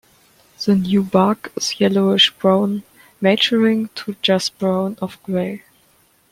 The new bark is yellowish brown, maturing to just brown of gray.